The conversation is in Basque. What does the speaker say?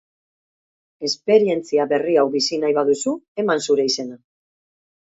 Esperientzia berri hau bizi nahi baduzu, eman zure izena!